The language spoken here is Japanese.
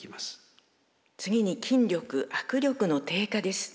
次に筋力握力の低下です。